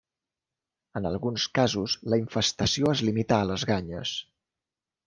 En alguns casos la infestació es limita a les ganyes.